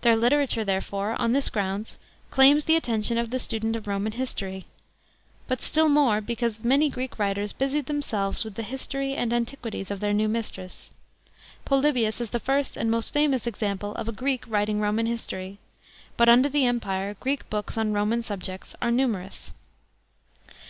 Their literature, therefore, on this ground claims the attention of the student of Roman history; but still more because many Greek writers busied them selves with the history and antiquities of their new mistress. Polybius is the first and most famous example of a Greek writing Roman history; but under the Empire Greek books on Roman subjects are numerous.